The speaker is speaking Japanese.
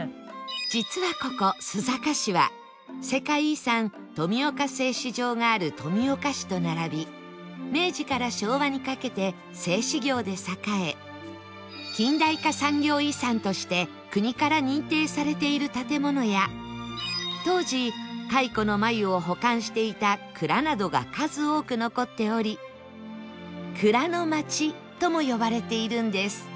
実はここ須坂市は世界遺産富岡製糸場がある富岡市と並び明治から昭和にかけて製糸業で栄え近代化産業遺産として国から認定されている建物や当時カイコのまゆを保管していた蔵などが数多く残っており「蔵の町」とも呼ばれているんです